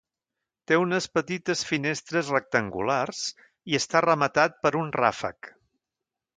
Té unes petites finestres rectangulars i està rematat per un ràfec.